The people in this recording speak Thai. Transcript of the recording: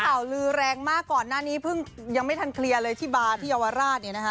ข่าวลือแรงมากก่อนหน้านี้เพิ่งยังไม่ทันเคลียร์เลยที่บาร์ที่เยาวราชเนี่ยนะคะ